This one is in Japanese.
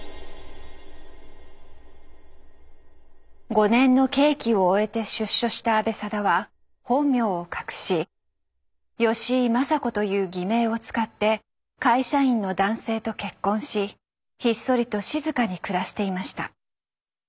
５年の刑期を終えて出所した阿部定は本名を隠し「吉井マサ子」という偽名を使って会社員の男性と結婚しひっそりと静かに暮らしていました。